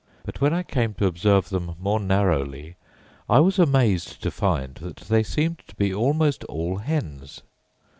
But, when I came to observe them more narrowly, I was amazed to find that they seemed to be almost all hens.